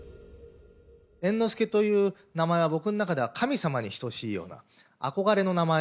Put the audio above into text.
猿之助という名前は、僕の中では神様に等しいような、憧れの名前。